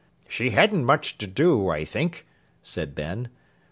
'She hadn't much to do, I think,' said Ben.